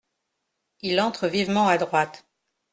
Il entre vivement à droite.